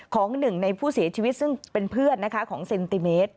ของหนึ่งในผู้เสียชีวิตซึ่งเป็นเพื่อนนะคะของเซนติเมตร